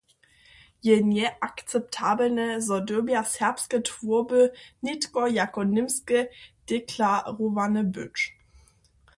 Je njeakceptabelne, zo dyrbja serbske twórby nětko jako němske deklarowane być.